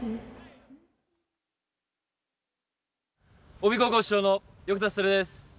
近江高校主将の横田悟です。